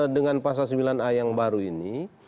dengan pasal sembilan a yang baru ini